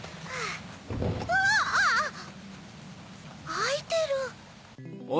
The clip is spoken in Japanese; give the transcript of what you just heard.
あいてる。